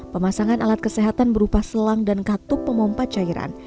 pemasangan alat kesehatan berupa selang dan katuk pemompat cairan